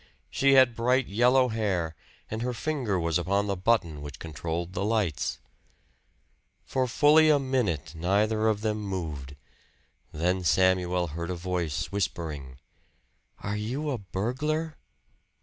She had bright yellow hair, and her finger was upon the button which controlled the lights. For fully a minute neither of them moved. Then Samuel heard a voice whispering: "Are you a burglar?"